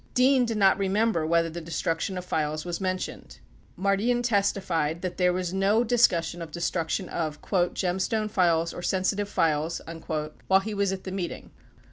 84 Dean did not remem ber whether the destruction of files was mentioned. 85 Mardian testified that there was no discussion of destruction of "Gemstone files or sen sitive files" while he was at the meeting.